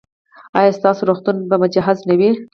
ایا ستاسو روغتون به مجهز نه وي؟